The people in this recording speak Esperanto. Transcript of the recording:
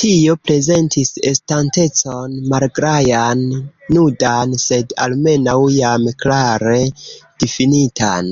Tio prezentis estantecon malgajan, nudan, sed almenaŭ jam klare difinitan.